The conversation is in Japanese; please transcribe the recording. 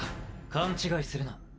勘違いするな。